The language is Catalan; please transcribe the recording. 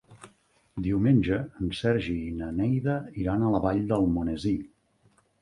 Diumenge en Sergi i na Neida iran a la Vall d'Almonesir.